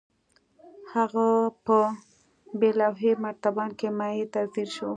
هغه په بې لوحې مرتبان کې مايع ته ځير شو.